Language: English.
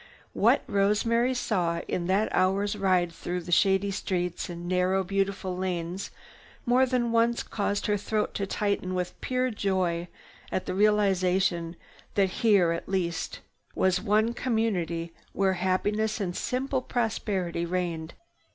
What Rosemary saw in that hour's ride through shady streets and narrow, beautiful lanes more than once caused her throat to tighten with pure joy at the realization that here at least was one community where happiness and simple prosperity reigned.